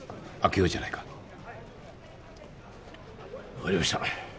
分かりました。